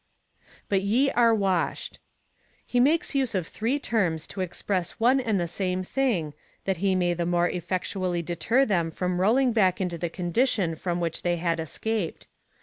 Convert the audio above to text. But ye are washed. He makes use of three terms to express one and the same thing, that he may the more effectually deter them from rolling back into the condition from which they had escaped.